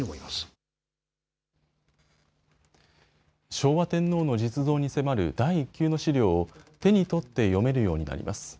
昭和天皇の実像に迫る第一級の資料を手に取って読めるようになります。